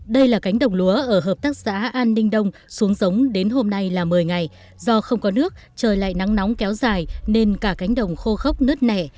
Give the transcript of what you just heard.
đây là cánh đồng lúa ở hợp tác xã an ninh đông xuống giống đến hôm nay là một mươi ngày do không có nước trời lại nắng nóng kéo dài nên cả cánh đồng khô khốc nứt nẻ